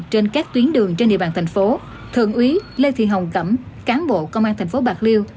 trên các tuyến đường trên địa bàn thành phố thượng úy lê thị hồng cẩm cán bộ công an thành phố bạc liêu